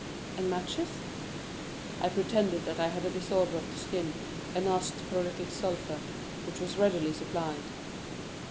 "And matches?" "I pretended that I had a disorder of the skin, and asked for a little sulphur, which was readily supplied."